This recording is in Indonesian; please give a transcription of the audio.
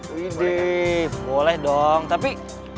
wih deh boleh dong tapi